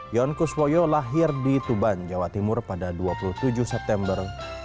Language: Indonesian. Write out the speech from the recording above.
yon kuswoyo lahir di tuban jawa timur pada dua puluh tujuh september seribu sembilan ratus sembilan puluh